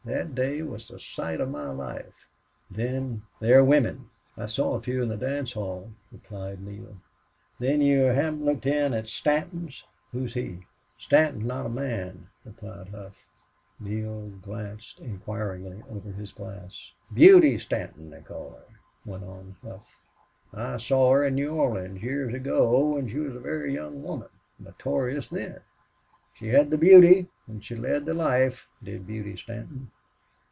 That day was the sight of my life!... Then... there are women." "I saw a few in the dance hall," replied Neale. "Then you haven't looked in at Stanton's?" "Who's he?" "Stanton is not a man," replied Hough. Neale glanced inquiringly over his glass. "Beauty Stanton, they call her," went on Hough. "I saw her in New Orleans years ago when she was a very young woman notorious then. She had the beauty and she led the life... did Beauty Stanton."